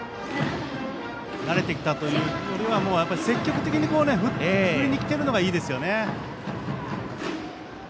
慣れてきたというか積極的に振りに来ているのがいいですよね。